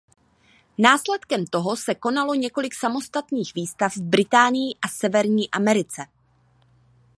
Následkem toho se konalo několik samostatných výstav v Británii a Severní Americe.